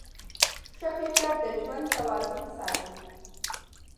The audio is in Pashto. ښه فکر د ژوند توازن ساتي.